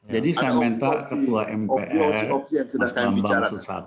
jadi saya minta ketua mpr mas bambang